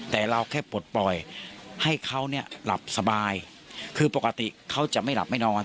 แต่เราแค่ปลดปล่อยให้เขาเนี่ยหลับสบายคือปกติเขาจะไม่หลับไม่นอน